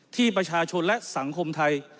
ที่ประชาชนและสังคมไทย